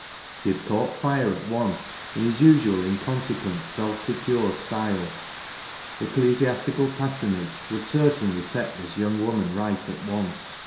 He had cauglit fire at once, in his usual inconsequent, aolf secure style. Ecclesiastical patronage would certainlj set this young woman right at once.